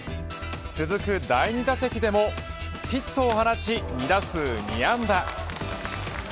続く第２打席でもヒットを放ち２打数２安打。